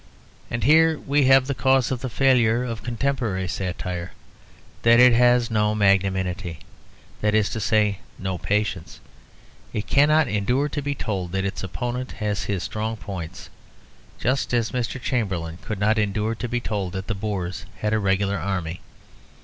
And here we have the cause of the failure of contemporary satire, that it has no magnanimity, that is to say, no patience. It cannot endure to be told that its opponent has his strong points, just as Mr. Chamberlain could not endure to be told that the Boers had a regular army.